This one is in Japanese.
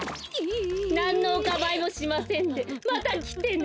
なんのおかまいもしませんでまたきてね。